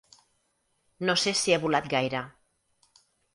No sé si he volat gaire.